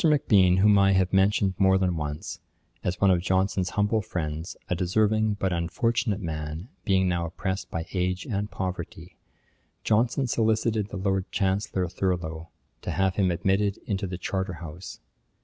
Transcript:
Macbean, whom I have mentioned more than once, as one of Johnson's humble friends, a deserving but unfortunate man, being now oppressed by age and poverty, Johnson solicited the Lord Chancellor Thurlow, to have him admitted into the Charterhouse.